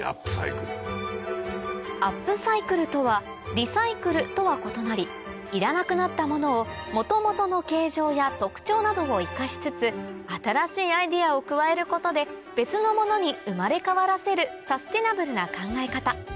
アップサイクルとはリサイクルとは異なりいらなくなったものを元々の形状や特徴などを生かしつつ新しいアイデアを加えることで別のものに生まれ変わらせるサステナブルな考え方